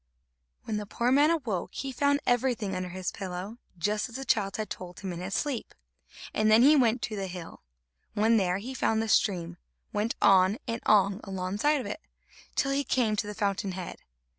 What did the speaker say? When the poor man awoke, he found everything under his pillow, just as the child had told him in his sleep; and then he went to the hill. When there, he found the stream, went on and on alongside of it, till he came to the fountain head.